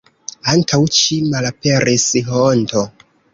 Antaŭ ĉio malaperis honto.